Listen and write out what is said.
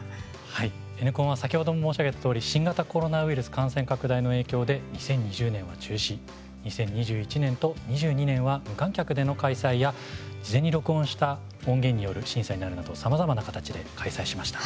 はい、「Ｎコン」は先ほども申し上げたとおり新型コロナウイルス感染拡大の影響で２０２０年は中止２０２１年と２２年は無観客での開催や事前に録音した音源による審査になるなどさまざまな形で開催しました。